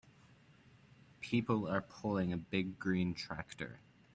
People are pulling a big green tractor.